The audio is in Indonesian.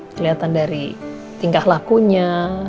keliatan dari tingkah lakunya